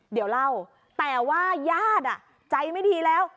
เดี๋ยวเล่าแต่ว่าญาติใจไม่ดีแล้ว